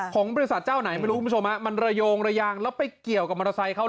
ของบริษัทเจ้าไหนพี่ผู้ชมมันเรยกเรยางแล้วไปเกี่ยวกับมอเตอร์ไซล์เขา